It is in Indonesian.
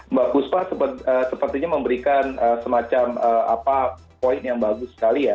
mbak puspa sepertinya memberikan semacam poin yang bagus sekali ya